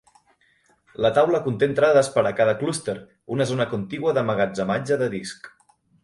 La taula conté entrades per a cada "clúster", una zona contigua d'emmagatzematge de disc.